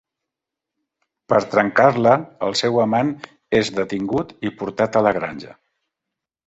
Per trencar-la, el seu amant és detingut i portat a la granja.